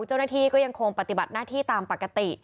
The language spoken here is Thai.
เจ้าหน้าที่ก็ยังคงปฏิบัติหน้าที่ตามปกติ